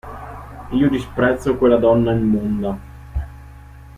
Io disprezzo quella donna immonda.